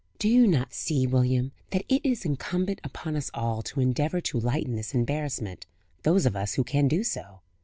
Do you not see, William, that it is incumbent upon us all to endeavour to lighten this embarrassment, those of us who can do so?